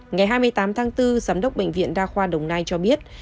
ngày hai mươi tám tháng bốn giám đốc bệnh viện đa khoa đồng nai cho biết